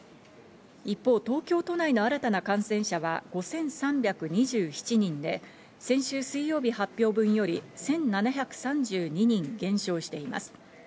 一方、東京都内の新たな感染者は５３２７人で、先週水曜日発表分より１７３２人減少しています。